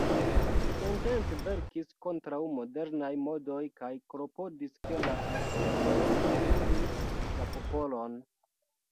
Li intence verkis kontraŭ modernaj modoj kaj klopodis ke la artistoj aliris la popolon.